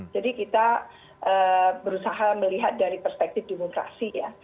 jadi kita berusaha melihat dari perspektif demokrasi ya